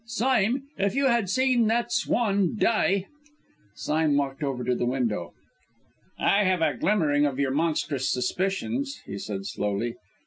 Sime, if you had seen that swan die " Sime walked over to the window. "I have a glimmering of your monstrous suspicions," he said slowly.